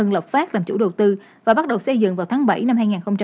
lập phát làm chủ đầu tư và bắt đầu xây dựng vào tháng bảy năm hai nghìn một mươi tám